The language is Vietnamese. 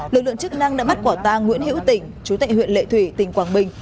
lực lượng chức năng đã bắt quả ta nguyễn hữu tỉnh chú tệ huyện lệ thủy tỉnh quảng bình